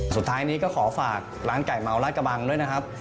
สุดท้ายนี้ก็ขอฝากร้านไก่เมาราชกระบังด้วยนะครับ